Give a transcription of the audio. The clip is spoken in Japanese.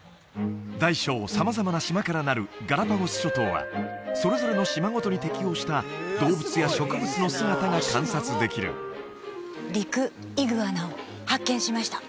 大小様々な島からなるガラパゴス諸島はそれぞれの島ごとに適応した動物や植物の姿が観察できるリクイグアナを発見しました